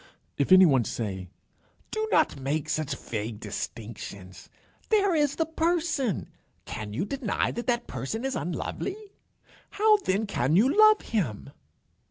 If any one say, "Do not make such vague distinctions. There is the person. Can you deny that that person is unlovely? How then can you love him?"